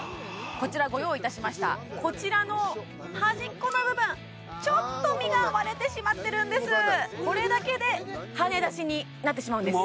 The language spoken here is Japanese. こちらご用意いたしましたこちらの端っこの部分ちょっと身が割れてしまってるんですこれだけではねだしになってしまうんです